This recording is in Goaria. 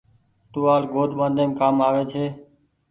ٽووآل ڳوڏ ٻآڍيم ڪآم آوي ڇي۔